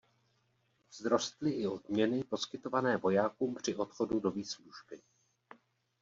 Vzrostly i odměny poskytované vojákům při odchodu do výslužby.